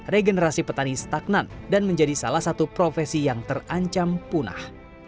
regenerasi petani stagnan dan menjadi salah satu profesi yang terancam punah